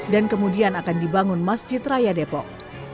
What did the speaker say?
dan kemudian akan dibangun masjid raya depok